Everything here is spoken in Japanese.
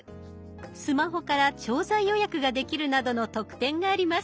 スマホから調剤予約ができるなどの特典があります。